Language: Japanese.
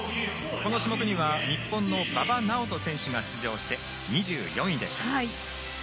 この種目は日本の馬場直人選手が出場して２４位でした。